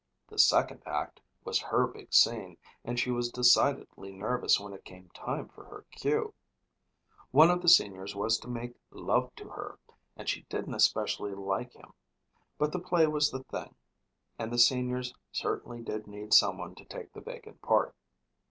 The second act was her big scene and she was decidedly nervous when it came time for her cue. One of the seniors was to make love to her and she didn't especially like him. But the play was the thing and the seniors certainly did need someone to take the vacant part.